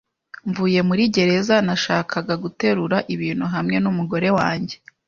Mvuye muri gereza, nashakaga guterura ibintu hamwe n'umugore wanjye.